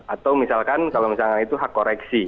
atau misalkan kalau misalkan itu hak koreksi